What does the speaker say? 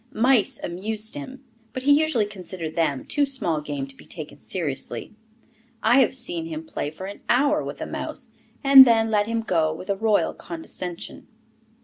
Mice amused him, but he usually considered them too small game to be taken seriously; I have seen him play for an hour with a mouse, and then let him go with a royal condescension.